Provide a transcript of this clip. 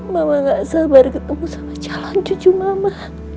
mama gak sabar ketemu sama jalan cucu mama